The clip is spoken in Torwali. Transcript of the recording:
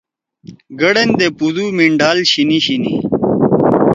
گڈن دے پودو مینڈھال شینی شینی؟